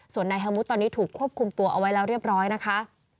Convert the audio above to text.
ส่วนนายเฮลมุทตอนนี้ถูกควบคุมตัวเอาไว้แล้วเรียบร้อยนะคะ